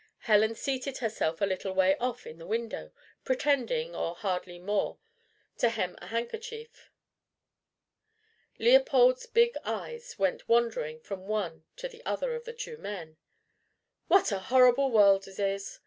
Helen seated herself a little way off in the window, pretending, or hardly more, to hem a handkerchief. Leopold's big eyes went wandering from one to the other of the two men. "What a horrible world it is!"